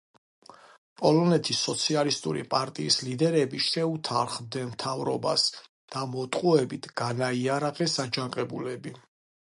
პოლონეთის სოციალისტური პარტიის ლიდერები შეუთანხმდნენ მთავრობას და მოტყუებით განაიარაღეს აჯანყებულები.